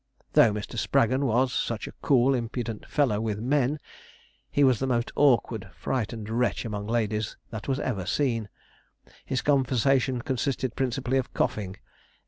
Though Mr. Spraggon was such a cool, impudent fellow with men, he was the most awkward, frightened wretch among ladies that ever was seen. His conversation consisted principally of coughing.